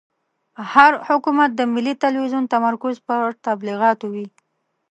هر حکومت د ملي تلویزون تمرکز پر تبلیغاتو وي.